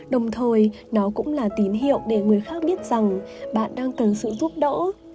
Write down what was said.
đồng thời nó cũng là tín hiệu để người khác biết rằng bạn đang cần sự giúp đỡ